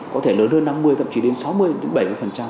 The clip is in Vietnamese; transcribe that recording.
có thể lớn hơn năm mươi thậm chí đến sáu mươi đến bảy mươi